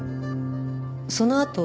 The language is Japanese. そのあと